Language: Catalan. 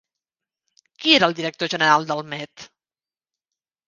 Qui era el director general del Met?